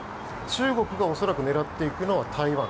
中国が恐らく狙っていくのは台湾。